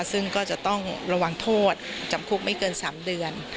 ซึ่งก็จะต้องระวังโทษจำคุกไม่เกิน๓เดือน